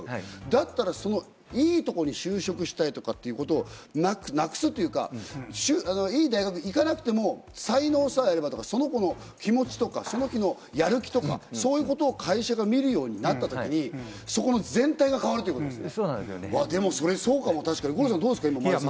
だったら、いいところに就職したいとかいうことをなくすというか、いい大学に行かなくても才能さえあればとか、その子の気持ちとか、その子のやる気とか、そういうことを会社が見るようになった時に、全体が変わるということですね。